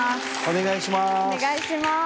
お願いします。